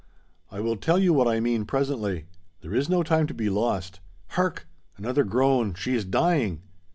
"I will tell you what I mean presently: there is no time to be lost! Hark—another groan: she is dying!"